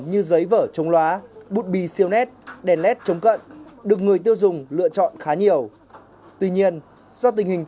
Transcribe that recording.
nhìn chung là tôi thấy hài lòng